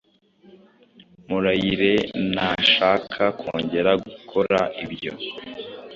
Murayire ntashaka kongera gukora ibyo.